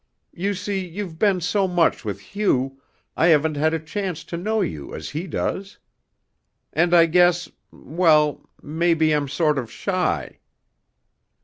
You see, you've been so much with Hugh, I haven't had a chance to know you as he does. And I guess well maybe I'm sort of shy."